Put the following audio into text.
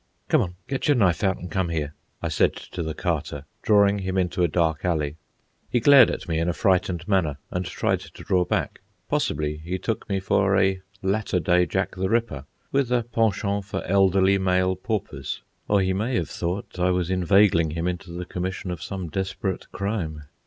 "Come on; get your knife out and come here," I said to the Carter, drawing him into a dark alley. He glared at me in a frightened manner, and tried to draw back. Possibly he took me for a latter day Jack the Ripper, with a penchant for elderly male paupers. Or he may have thought I was inveigling him into the commission of some desperate crime.